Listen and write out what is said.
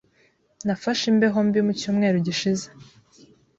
Nafashe imbeho mbi mu cyumweru gishize.